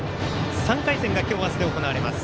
３回戦が今日、明日で行われます。